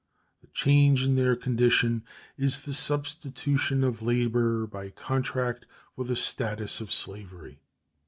The change in their condition is the substitution of labor by contract for the status of slavery.